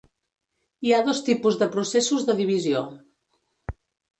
Hi ha dos tipus de processos de divisió.